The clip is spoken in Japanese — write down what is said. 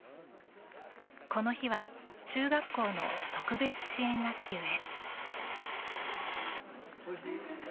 この日は中学校の特別支援学級へ。